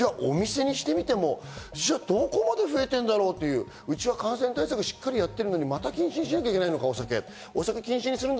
お店にしてみてもどこまで増えてるんだろうっていう、うちは感染対策をしっかりやってるのに、また禁止にしなきゃいけないのかって。